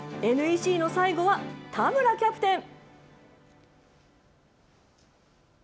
ＮＥＣの最後は田村キャプテン。